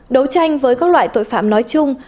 đấu tranh với các loại tội phạm nói chung